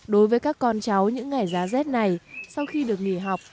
đối với các con cháu những ngày giá rét này sau khi được nghỉ học